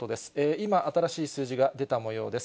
今、新しい数字が出たもようです。